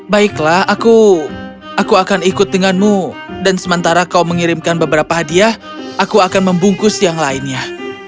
baiklah aku aku akan ikut denganmu dan sementara kau mengirimkan beberapa hadiah aku akan membungkus yang lainnya